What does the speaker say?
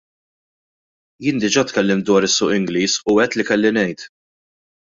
Jien diġa' tkellimt dwar is-suq Ingliż u għidt li kelli ngħid.